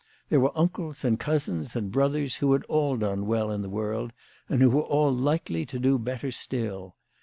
There were uncles and cousins and brothers who had all done well in the world, and who were all likely to do better still.